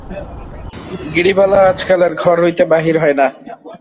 গিরিবালা আজকাল আর ঘর হইতে বাহির হয় না।